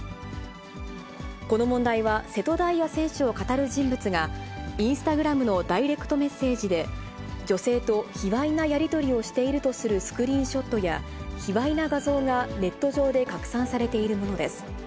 この問題は、瀬戸大也選手をかたる人物が、インスタグラムのダイレクトメッセージで、女性と卑わいなやり取りをしているとするスクリーンショットや、卑わいな画像がネット上で拡散されているものです。